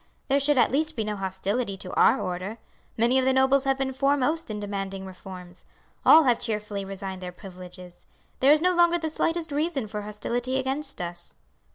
There should at least be no hostility to our order. Many of the nobles have been foremost in demanding reforms. All have cheerfully resigned their privileges. There is no longer the slightest reason for hostility against us."